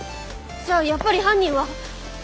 じゃあやっぱり犯人は。